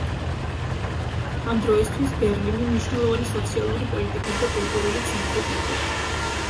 ამ დროისთვის ბერლინი მნიშვნელოვანი სოციალური, პოლიტიკური და კულტურული ცენტრი იყო.